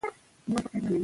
روغتونونه به ناروغان مني.